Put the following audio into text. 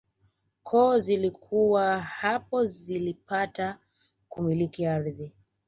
Koo zilizokuwa hapo zilipata kumiliki ardhi